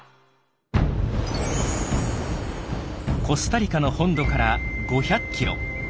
コスタリカの本土から５００キロ。